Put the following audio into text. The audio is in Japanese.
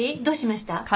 どうしました？